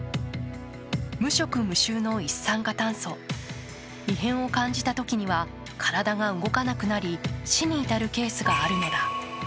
無色無臭の一酸化炭素、異変を感じたときには体が動かなくなり、死に至るケースがあるのだ。